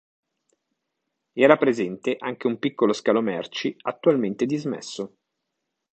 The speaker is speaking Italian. Era presente anche un piccolo scalo merci attualmente dismesso.